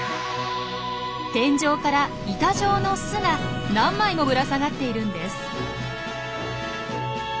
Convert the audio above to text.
天井から板状の巣が何枚もぶら下がっているんです。